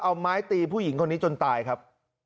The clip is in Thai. เอาไม้ตีผู้หญิงคนนี้จนตายครับ